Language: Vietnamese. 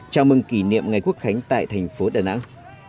chào mừng kỷ niệm ngày quốc khánh tại thành phố đà nẵng